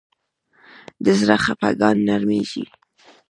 د زړه خفګان نرمېږي